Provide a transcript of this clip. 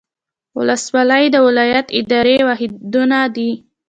ولسوالۍ د ولایت اداري واحدونه دي